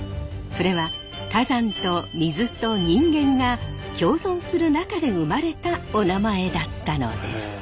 それは火山と水と人間が共存する中で生まれたおなまえだったのです。